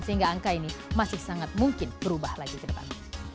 sehingga angka ini masih sangat mungkin berubah lagi ke depan